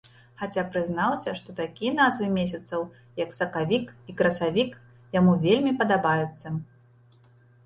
Хаця прызнаўся, што такія назвы месяцаў, як сакавік і красавік, яму вельмі падабаюцца.